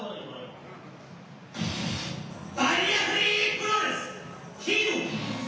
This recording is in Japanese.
「バリアフリープロレスＨＥＲＯ！」。